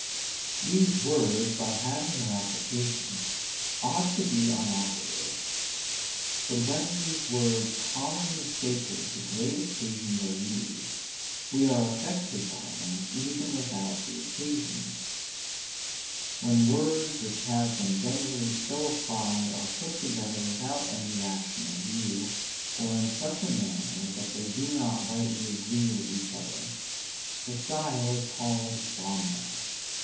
These words, by having no application, ought to be unoperative; but when words commonly sacred to great occasions are used, we are affected by them even without the occasions. When words which have been generally so applied are put together without any rational view, or in such a manner that they do not rightly agree with each other, the style is called bombast.